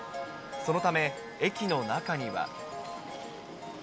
そのため、駅の中には。